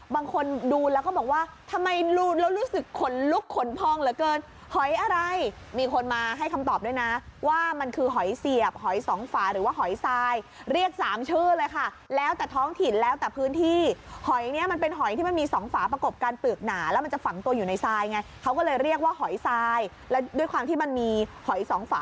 บางคนดูแล้วก็บอกว่าทำไมรูนแล้วรู้สึกขนลุกขนพองเหลือเกินหอยอะไรมีคนมาให้คำตอบด้วยนะว่ามันคือหอยเสียบหอยสองฝาหรือว่าหอยทรายเรียกสามชื่อเลยค่ะแล้วแต่ท้องถิ่นแล้วแต่พื้นที่หอยเนี้ยมันเป็นหอยที่มันมีสองฝาประกบกันเปลือกหนาแล้วมันจะฝังตัวอยู่ในทรายไงเขาก็เลยเรียกว่าหอยทรายแล้วด้วยความที่มันมีหอยสองฝา